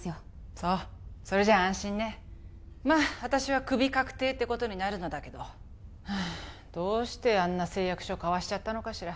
そうそれじゃあ安心ねまっ私はクビ確定ってことになるのだけどはあどうしてあんな誓約書交わしちゃったのかしら